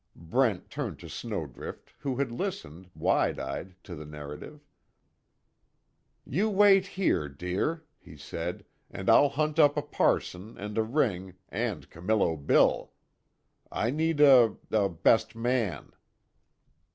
Brent turned to Snowdrift, who had listened, wide eyed to the narrative: "You wait here, dear," he said, "And I'll hunt up a parson, and a ring, and Camillo Bill. I need a a best man!"